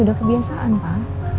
udah kebiasaan pak